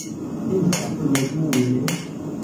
Estas nebule.